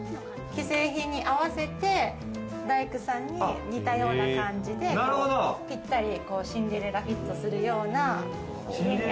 既製品に合わせて大工さんに似たような感じで、ぴったりシンデレラフィットするような。